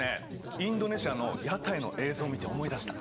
インドネシアの屋台の映像を見て思い出した！